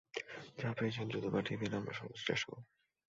যা পেয়েছেন দ্রুত পাঠিয়ে দিন, আমরা সর্বোচ্চ চেষ্টা করব!